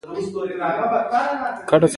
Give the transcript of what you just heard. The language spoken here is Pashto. د تنباکو کښت په ځینو سیمو کې شته